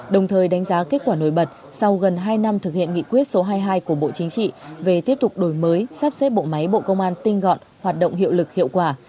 đồng thời đánh giá kết quả nổi bật sau gần hai năm thực hiện nghị quyết số hai mươi hai của bộ chính trị về tiếp tục đổi mới sắp xếp bộ máy bộ công an tinh gọn hoạt động hiệu lực hiệu quả